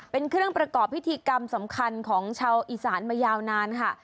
เป็นเครื่องประกอบพิธีกรรมสำคัญของชาวอีสานมายาวนานค่ะ